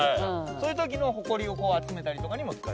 そういう時のホコリを集めたりとかにも使えたり。